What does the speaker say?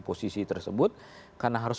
posisi tersebut karena harus